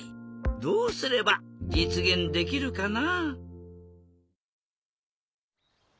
どうすればじつげんできるかな？